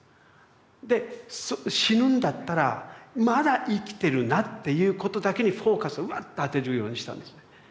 で死ぬんだったら「まだ生きてるな」っていうことだけにフォーカスをうわぁっと当てるようにしたんですね。